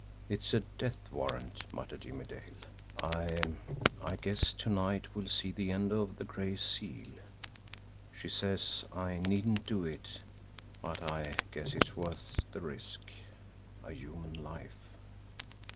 "It's a death warrant," muttered Jimmie Dale. "I I guess to night will see the end of the Gray Seal. She says I needn't do it, but I guess it's worth the risk a human life!"